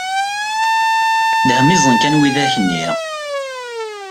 Dehmiẓen kan widak nni!